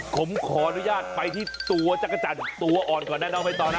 ผมขออนุญาตไปที่ตัวจักรจันทร์ตัวอ่อนก่อนนะน้องใบตองนะ